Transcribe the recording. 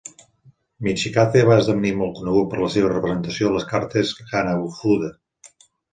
Michikaze va esdevenir molt conegut per la seva representació a les cartes Hanafuda.